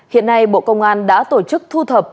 hiện nay bộ công an đã tổ chức thu thập